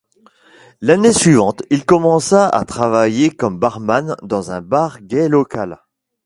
L’année suivante, il commença à travailler comme barman dans un bar gay local.